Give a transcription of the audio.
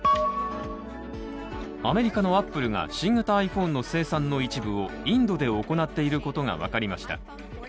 アメリカのアップルが新型ｉＰｈｏｎｅの生産の一部をインドで行っていることが分かりました。